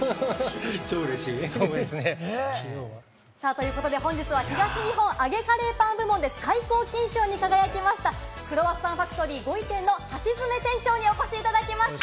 ということで、本日は東日本揚げカレーパン部門で最高金賞に輝きました、クロワッサンファクトリー五井店の橋爪店長にお越しいただきました。